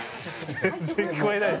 全然聞こえないよ。